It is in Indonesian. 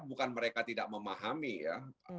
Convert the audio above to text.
bukan mereka tidak memahami ya